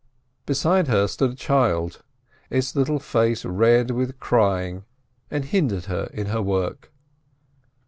Beside her stood a child, its little face red with crying, and hindered her in her work.